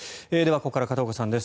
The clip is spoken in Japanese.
ここから片岡さんです。